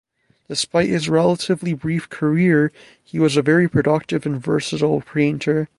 Despite his relatively brief career, he was a very productive and versatile painter.